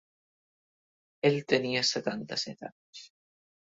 Ell tenia setanta-set anys.